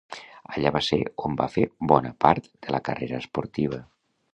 Allí va ser on va fer bona part de la carrera esportiva.